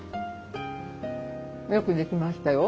よくできましたよ。